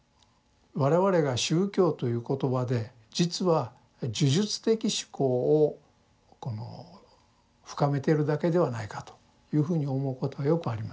我々が宗教という言葉で実は呪術的思考を深めてるだけではないかというふうに思うことはよくあります。